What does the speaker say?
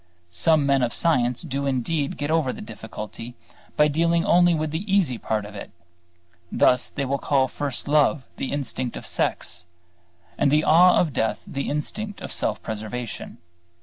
Some men of science do indeed get over the difficulty by dealing only with the easy part of it: thus, they will call first love the instinct of sex, and the awe of death the instinct of self preservation.